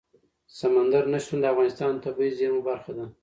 سمندر نه شتون د افغانستان د طبیعي زیرمو برخه ده.